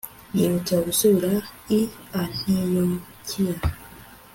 yihutira gusubira i antiyokiya